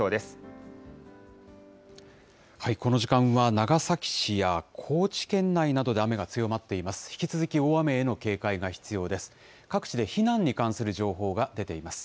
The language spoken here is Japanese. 長崎市や高知県内などで雨が強まっています。